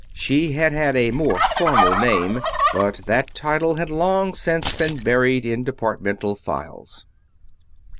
She had had a more formal name, but that title had long since been buried in the Departmental files.